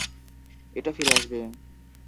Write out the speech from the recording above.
এটা ফিরে আসবে।